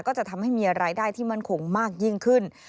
ก็จะทำให้มีรายได้ที่มั่นคงมากยิ่งขึ้น